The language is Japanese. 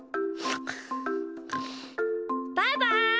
バイバイ！